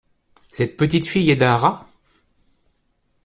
Cette petite fille est d’un rat !…